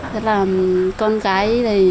thế là con gái này